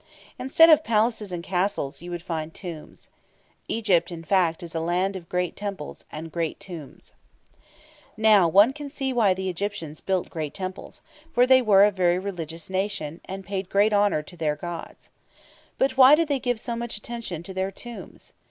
Instead of palaces and castles, you would find tombs. Egypt, in fact, is a land of great temples and great tombs. [Illustration: Plate 14 GATEWAY OF THE TEMPLE OF EDFU. Pages 74, 75] Now, one can see why the Egyptians built great temples; for they were a very religious nation, and paid great honour to their gods. But why did they give so much attention to their tombs?